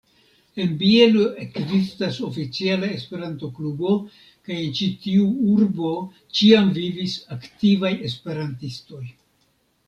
En Bielo ekzistas oficiala Esperanto-klubo, kaj en ĉi-tiu urbo ĉiam vivis aktivaj Esperantistoj.